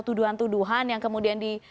tuduhan tuduhan yang kemudian